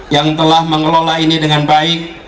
yang telah mengelola ini dengan baik